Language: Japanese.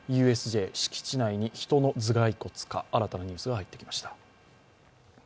ＵＳＪ、敷地内に人の頭蓋骨か、新たなニュースが入ってきました。